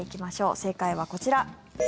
正解はこちら。